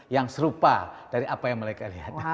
yang serupa dari apa yang mereka lihat